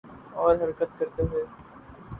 اور حرکت کرتے ہوئے